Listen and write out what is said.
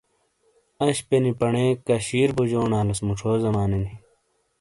۔انشپے نی پنے کاشیر بوجونالیس موچھو زمانے نی۔